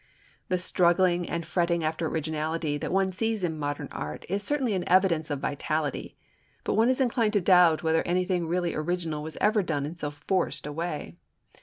# The struggling and fretting after originality that one sees in modern art is certainly an evidence of vitality, but one is inclined to doubt whether anything really original was ever done in so forced a way.